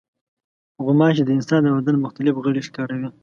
غوماشې د انسان د بدن مختلف غړي ښکاروي.